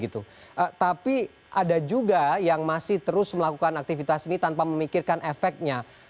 tapi ada juga yang masih terus melakukan aktivitas ini tanpa memikirkan efeknya